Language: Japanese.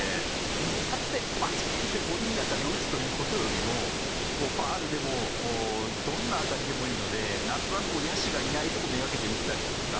一発でバチーンっていい当たりを打つという事よりもファウルでもどんな当たりでもいいのでなんとなく野手がいないとこ目がけて打ったりだとか。